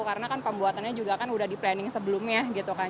karena kan pembuatannya juga kan sudah di planning sebelumnya gitu kan